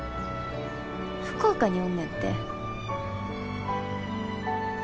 福岡におんねんて。